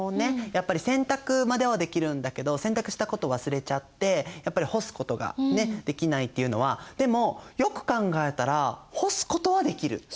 やっぱり洗濯まではできるんだけど洗濯したこと忘れちゃってやっぱり干すことができないっていうのはでもよく考えたら干すことはできる。